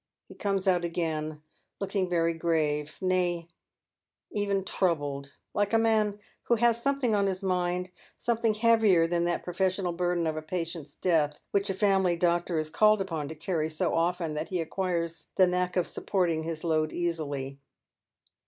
He comes out again looking very grave — nay, even troubled, like a man who has something on his mind — something heavier than that professional burden of a patient's death which a family doctor is called upon to carry so often that he acquires the knack of supporting his load easily.